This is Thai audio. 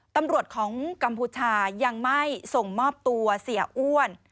ตำรวจของกัมพูชายังไม่ส่งมอบตัวเสียอ้วน